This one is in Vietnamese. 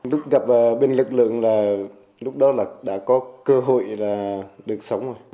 lúc gặp bên lực lượng là lúc đó là đã có cơ hội là được sống rồi